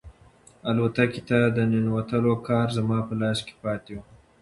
الوتکې ته د ننوتلو کارت زما په لاس کې پاتې و.